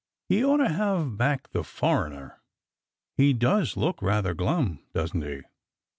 " He ought to have backed the foreigner. He does look rather glum, doesn't he